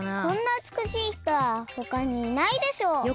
こんなうつくしい人はほかにいないでしょう。